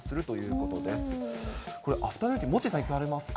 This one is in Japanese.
これ、アフタヌーンティ、モッチーさん行かれますか？